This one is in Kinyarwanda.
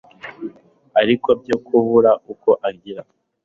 ariko byo kubura uko agira,